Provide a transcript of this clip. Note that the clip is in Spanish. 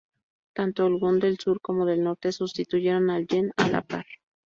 Tanto el won del Sur como del Norte sustituyeron al yen a la par.